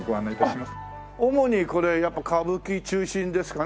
主にこれやっぱ歌舞伎中心ですかね？